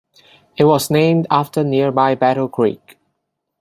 It was named after nearby Battle Creek.